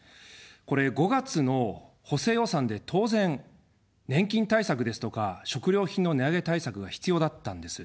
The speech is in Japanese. これ、５月の補正予算で、当然、年金対策ですとか、食料品の値上げ対策が必要だったんです。